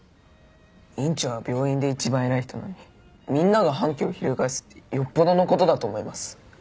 院長は病院で一番偉い人なのにみんなが反旗を翻すってよっぽどの事だと思います。